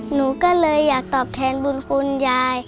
หนูก็เลยอยากตอบแทนบุญคุณยาย